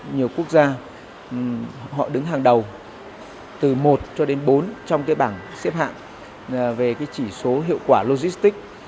nhiều quốc gia họ đứng hàng đầu từ một cho đến bốn trong cái bảng xếp hạng về cái chỉ số hiệu quả logistics